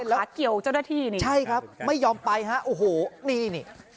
แล้วเกี่ยวเจ้าหน้าที่นี่ใช่ครับไม่ยอมไปฮะโอ้โหนี่นี่